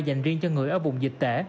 dành riêng cho người ở vùng dịch tễ